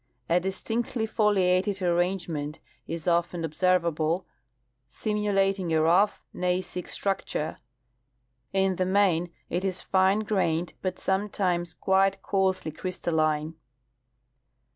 A distinctly foliated arrange ment is often observable, simulating a rough gneissic structure. In the main it is fine grained, but sometimes quite coarsely crystalline.